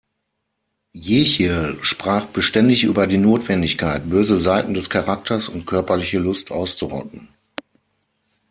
Jechiel sprach beständig über die Notwendigkeit, böse Seiten des Charakters und körperliche Lust auszurotten.